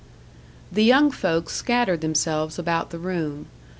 The young folk scattered themselves about the room.